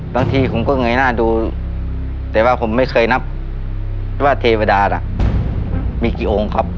บางทีผมก็เงยหน้าดูแต่ว่าผมไม่เคยนับว่าเทวดาน่ะมีกี่องค์ครับ